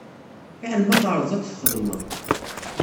Fiḥel ma tɛerḍeḍ ad t-txedmeḍ.